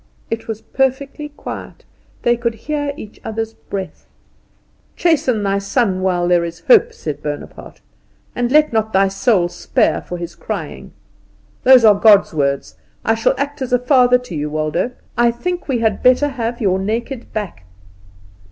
It was perfectly quiet; they could hear each other's breath. "'Chasten thy son while there is hope,'" said Bonaparte, "'and let not thy soul spare for his crying.' Those are God's words. I shall act as a father to you, Waldo. I think we had better have your naked back."